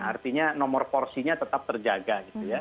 artinya nomor porsinya tetap terjaga